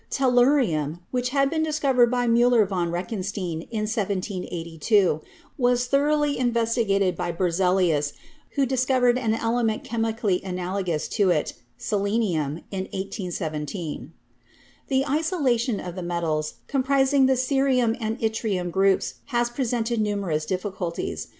Tellurium, which had been discovered by Muller von Reichenstein in 1782, was thoroly investigated by Berze lius, who discovered an element chemically analogous to it — selenium — in 181 7. The isolation of the metals comprising the cerium and yttrium groups has presented numerous difficulties.